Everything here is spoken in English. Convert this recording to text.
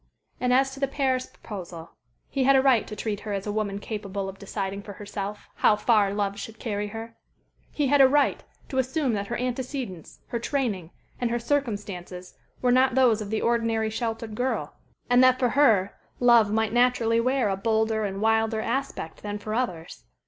And as to the Paris proposal, he had a right to treat her as a woman capable of deciding for herself how far love should carry her; he had a right to assume that her antecedents, her training, and her circumstances were not those of the ordinary sheltered girl, and that for her love might naturally wear a bolder and wilder aspect than for others.